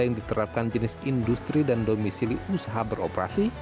yang diterapkan jenis industri dan domisili usaha beroperasi